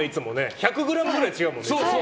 １００ｇぐらい違うもんね。